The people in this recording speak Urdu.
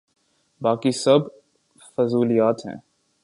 باقی سب فضولیات ہیں۔